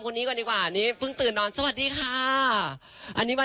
คนนี้ก่อนดีกว่านี้เพิ่งตื่นนอนสวัสดีค่ะอันนี้มา